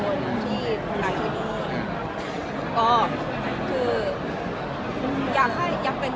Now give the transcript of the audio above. ที่นู่นก็จะมีหลายคนที่นี่